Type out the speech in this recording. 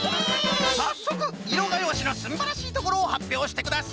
さっそくいろがようしのすんばらしいところをはっぴょうしてください。